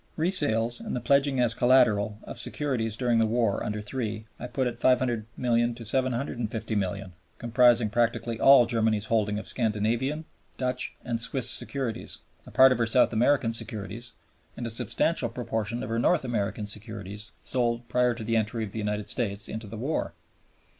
Resales and the pledging as collateral of securities during the war under (iii.) I put at $500,000,000 to $750,000,000, comprising practically all Germany's holding of Scandinavian, Dutch, and Swiss securities, a part of her South American securities, and a substantial proportion of her North American securities sold prior to the entry of the United States into the war.